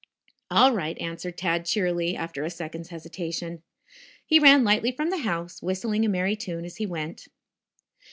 "All right," answered Tad cheerily, after a second's hesitation. He ran lightly from the house, whistling a merry tune as he went.